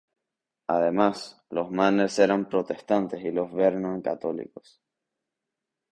Además, los Manners eran protestantes, y los Vernon católicos.